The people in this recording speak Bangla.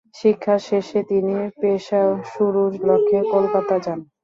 শিক্ষা শেষে তিনি পেশা শুরুর লক্ষ্যে কলকাতা যান।